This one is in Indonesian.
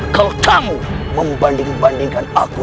kalau kamu membanding bandingkan aku